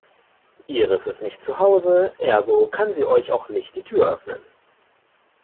Iris ist nicht zu Hause, ergo kann sie euch auch nicht die Tür öffnen.